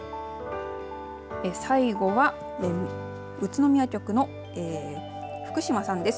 最後は宇都宮局の福嶋さんです。